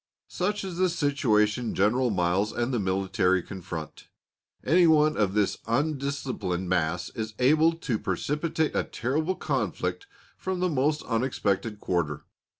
Such is the situation General Miles and the military confront. Any one of this undisciplined mass is able to precipitate a terrible conflict from the most unexpected quarter.